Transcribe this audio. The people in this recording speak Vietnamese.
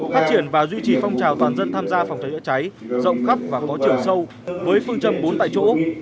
phát triển và duy trì phong trào toàn dân tham gia phòng cháy chữa cháy rộng khắp và có chiều sâu với phương châm bốn tại chỗ